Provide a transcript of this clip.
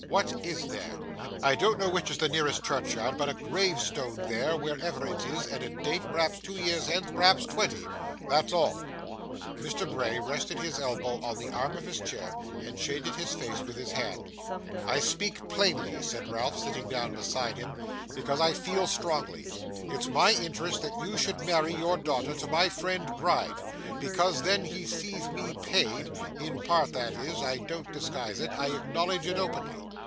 What is there? I don't know which is the nearest churchyard, but a gravestone there, wherever it is, and a date, perhaps two years hence, perhaps twenty. That's all.' Mr. Bray rested his elbow on the arm of his chair, and shaded his face with his hand. 'I speak plainly,' said Ralph, sitting down beside him, 'because I feel strongly. It's my interest that you should marry your daughter to my friend Gride, because then he sees me paid in part, that is. I don't disguise it. I acknowledge it openly.